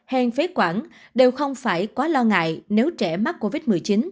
hèn phế quản đều không phải quá lo ngại nếu trẻ mắc covid một mươi chín